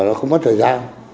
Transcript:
mà nó không mất thời gian